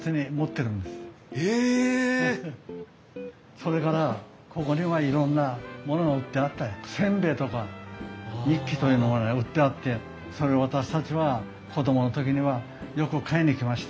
それからここにはいろんなものが売ってあって煎餅とかニッキというのがね売ってあってそれを私たちは子供の時にはよく買いに来ました。